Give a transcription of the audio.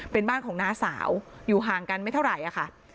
เป็นบ้านของน้าสาวอยู่ห่างกันไม่เท่าไหร่ค่ะ